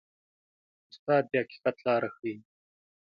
استاد د حقیقت لاره ښيي.